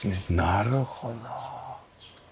なるほど。